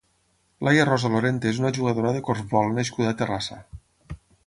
Laia Rosa Lorente és una jugadora de corfbol nascuda a Terrassa.